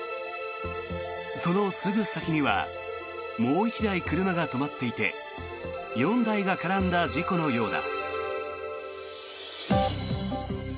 そのすぐ先にはもう１台、車が止まっていて４台が絡んだ事故のようだ。